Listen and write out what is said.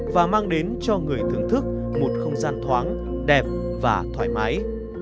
và mang đến cho người thưởng thức một không gian thoáng đẹp và thoải mái